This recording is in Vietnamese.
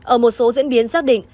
ở một số diễn biến xác định